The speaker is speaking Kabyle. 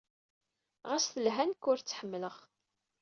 Ɣas telha, nekk ur tt-ḥemmleɣ.